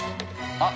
あっ。